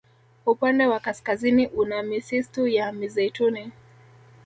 Upande wa kaskazini una misistu ya mizeituni